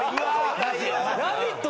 ・『ラヴィット！』